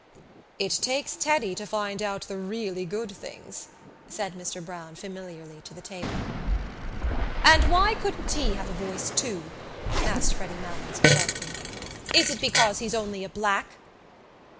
"It takes Teddy to find out the really good things," said Mr Browne familiarly to the table. "And why couldn't he have a voice too?" asked Freddy Malins sharply. "Is it because he's only a black?"